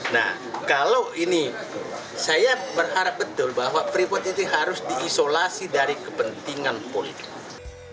nah kalau ini saya berharap betul bahwa freeport itu harus diisolasi dari kepentingan politik